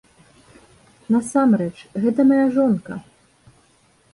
Насамрэч, гэта мая жонка!